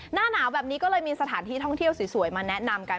หน้าหนาวแบบนี้ก็เลยมีสถานที่ท่องเที่ยวสวยมาแนะนำกัน